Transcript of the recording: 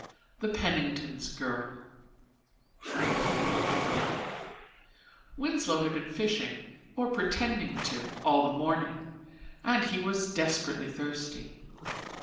The Penningtons' Girl Winslow had been fishing or pretending to all the morning, and he was desperately thirsty.